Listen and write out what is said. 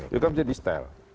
itu kan bisa di stel